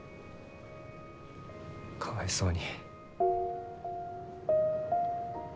かわいそうに。